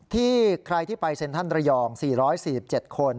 ที่ใครที่ไปเซ็นทรัลระยอง๔๔๗คน